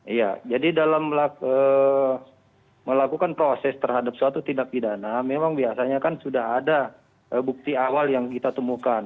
iya jadi dalam melakukan proses terhadap suatu tindak pidana memang biasanya kan sudah ada bukti awal yang kita temukan